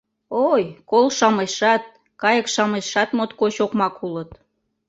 — Ой, кол-шамычшат, кайык-шамычшат моткоч окмак улыт!